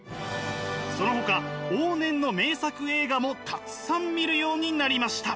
そのほか往年の名作映画もたくさん見るようになりました。